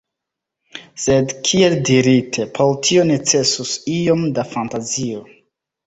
Sed kiel dirite, por tio necesus iom da fantazio.